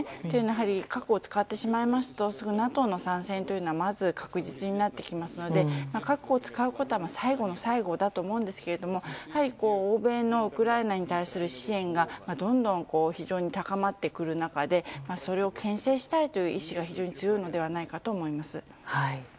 核を使ってしまいますとＮＡＴＯの参戦が確実になってきますので核を使うことは最後の最後だと思いますがやはり、欧米のウクライナに対する支援がどんどん非常に高まってくる中でそれを牽制したいという意思が非常に強いのではないかと思います。